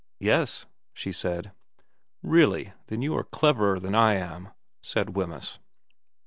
' Yes,' she said. ' Really. Then you are cleverer than I am,' said Wemyss.